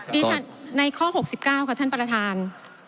ได้ในข้อหกสิบเก้าค่ะท่านประทาน